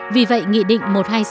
vì vậy nghị định một trăm hai mươi sáu